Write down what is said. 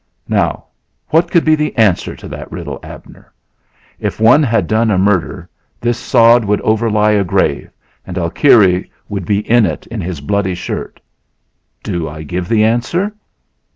Now, what could be the answer to that riddle, Abner? If one had done a murder this sod would overlie a grave and Alkire would be in it in his bloody shirt. Do I give the answer?"